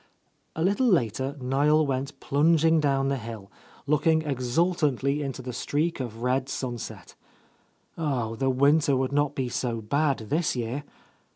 A little later Niel went plunging down the hill, looking exultantly into the streak of red sun set. Oh, the winter would not be so bad, this year